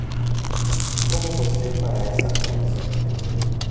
Como você para essa coisa?